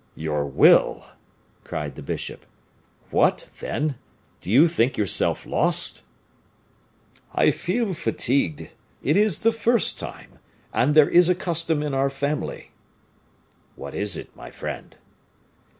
"Your will!" cried the bishop. "What, then! do you think yourself lost?" "I feel fatigued. It is the first time, and there is a custom in our family." "What is it, my friend?"